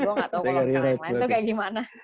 gue nggak tahu kalau misalnya yang lain tuh kayak gimana